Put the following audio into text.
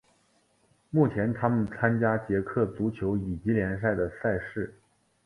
目前他们参加捷克足球乙级联赛的赛事。